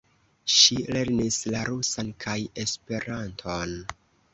Ŝi lernis la rusan kaj Esperanton.